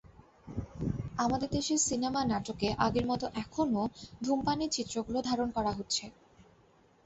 আমাদের দেশের সিনেমা, নাটকে আগের মতো এখনো ধূমপানের চিত্রগুলো ধারণ করা হচ্ছে।